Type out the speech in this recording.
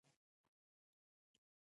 ټپي ته باید طبیعت ته وخت ورکړو.